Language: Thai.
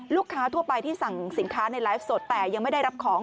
ทั่วไปที่สั่งสินค้าในไลฟ์สดแต่ยังไม่ได้รับของ